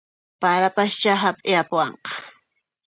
Parapaschá apiyamuwanqa